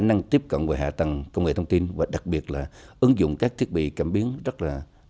năng tiếp cận về hạ tầng công nghệ thông tin và đặc biệt là ứng dụng các thiết bị cảm biến rất là